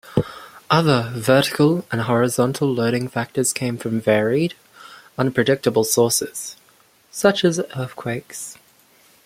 Other vertical and horizontal loading factors come from varied, unpredictable sources, such as earthquakes.